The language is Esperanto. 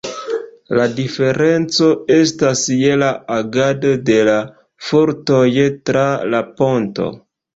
La diferenco estas je la agado de la fortoj tra la ponto.